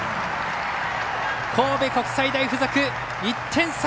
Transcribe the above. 神戸国際大付属、１点差。